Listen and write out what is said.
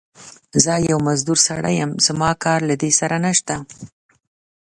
زه يو مزدور سړی يم، زما کار له دې سره نشته.